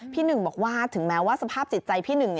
พี่หนึ่งบอกว่าถึงแม้ว่าสภาพจิตใจพี่หนึ่ง